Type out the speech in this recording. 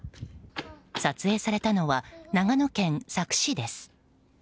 撮影されたのは長野県佐久市です。